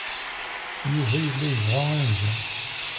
Yuba yella yebɣa anza.